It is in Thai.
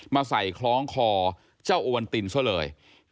มาใส่คล้องคอเจ้าโอวันตินซะเลย